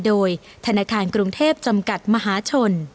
โดยธนาคารกรุงเทพจำกัดมหาชน